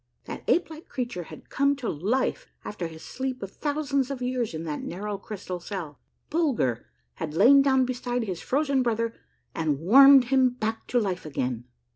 That ape like creature had come to life after his sleep of thousands of years in that narrow, crystal cell ! Bulger had lain down beside his frozen brother and warmed him back to life again